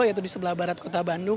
yaitu di sebelah barat kota bandung